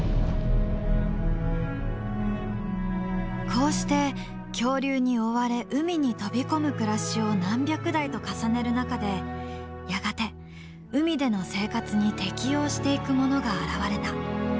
こうして恐竜に追われ海に飛び込む暮らしを何百代と重ねる中でやがて海での生活に適応していくものが現れた。